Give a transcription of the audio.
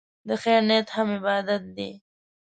د خیر نیت هم عبادت دی.